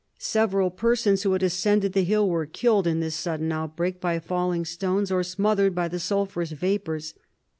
Several persons who had ascended the hill were killed in this sudden outbreak by falling stones, or smothered by the sulphurous vapors.